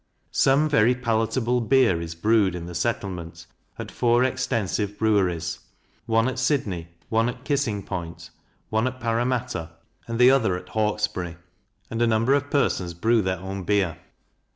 Some very palatable beer is brewed in the settlement, at four extensive breweries; one at Sydney, one at Kissing Point, one at Parramatta, and the other at Hawkesbury; and a number of persons brew their own beer.